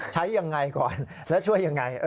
ใช้อย่างไรก่อนแล้วช่วยอย่างไร